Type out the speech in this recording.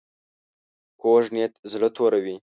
کوږ نیت زړه توروي